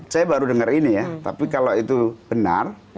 saya baru dengar ini ya tapi kalau itu benar